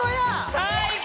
最高！